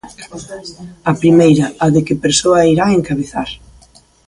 A primeira, a de que persoa a irá encabezar.